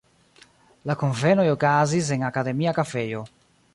La kunvenoj okazis en Akademia kafejo.